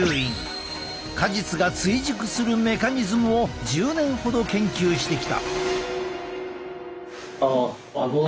果実が追熟するメカニズムを１０年ほど研究してきた。